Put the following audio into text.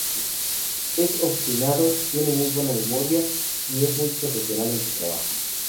Es obstinado, tiene muy buena memoria, y es muy profesional en su trabajo.